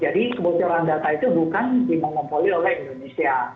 jadi kebocoran data itu bukan dimongpoli oleh indonesia